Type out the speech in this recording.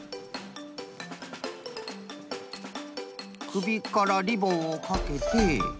くびからリボンをかけて。